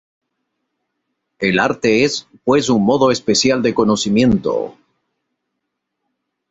El arte es, pues, un modo especial de conocimiento.